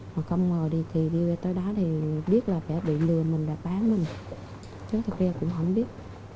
mà không ngờ thì đi tới đó thì biết là phải bị lừa mình và bán mình chứ thực ra cũng không biết